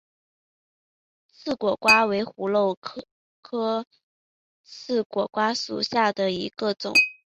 刺果瓜为葫芦科刺果瓜属下的一个种。